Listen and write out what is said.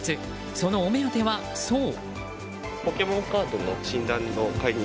そのお目当ては、そう。